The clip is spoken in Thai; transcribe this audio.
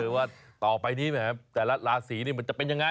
ว่าต่อไปนี่แหละลาศรีมันจะเป็นยังไง